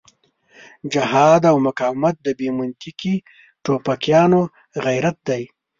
جهاد او مقاومت د بې منطقې ټوپکيان غرت دی.